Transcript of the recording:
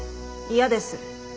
嫌です。